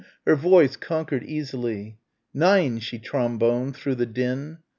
Her voice conquered easily. "Nein," she tromboned, through the din.